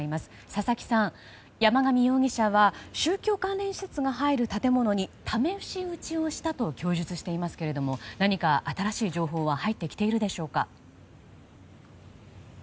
佐々木さん、山上容疑者は宗教関連施設が入る建物に試し撃ちをしたと供述していますが何か新しい情報は入ってきていますか。